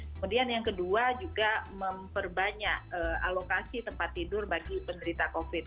kemudian yang kedua juga memperbanyak alokasi tempat tidur bagi penderita covid